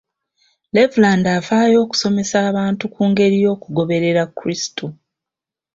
Levulandi afaayo okusomesa abantu ku ngeri y'okugoberera krisitu.